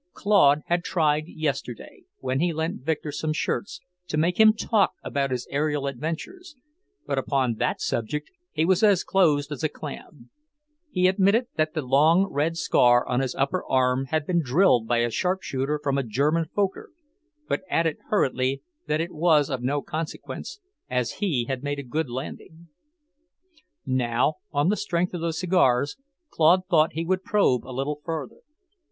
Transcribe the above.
Claude had tried yesterday, when he lent Victor some shirts, to make him talk about his aerial adventures, but upon that subject he was as close as a clam. He admitted that the long red scar on his upper arm had been drilled by a sharpshooter from a German Fokker, but added hurriedly that it was of no consequence, as he had made a good landing. Now, on the strength of the cigars, Claude thought he would probe a little further.